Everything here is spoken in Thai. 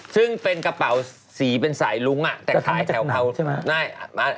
ซึ่งเป็นกระเป๋าสีเป็นสายรุ้งอ่ะแต่ทำจากหนังใช่มั้ย